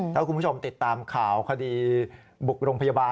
ถ้าคุณผู้ชมติดตามข่าวคดีบุกโรงพยาบาล